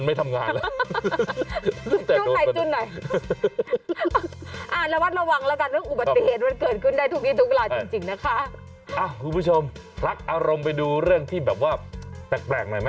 อ่าคุณผู้ชมทักอารมณ์ไปดูเรื่องที่ปลี่โดยไหม